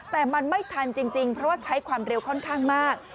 แต่มันไม่ทันจริงเพราะว่าใช้ความเร็วค่อนข้างมาก